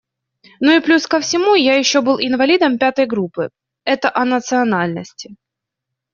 Ну и плюс ко всему еще я был «инвалидом пятой группы» - это о национальности.